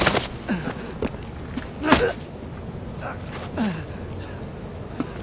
うっ。